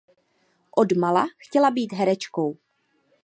Od mala chtěla být herečkou.